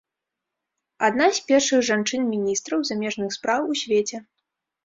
Адна з першых жанчын міністраў замежных спраў у свеце.